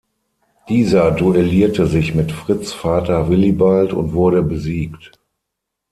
Dieser duellierte sich mit Fritz’ Vater Willibald und wurde besiegt.